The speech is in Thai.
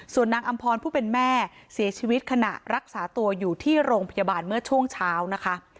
ส่วนนางอำพรผู้เป็นแม่เสียชีวิตขณะรักษาตัวอยู่ที่โรงพยาบาลเมื่อช่วงเช้านะคะ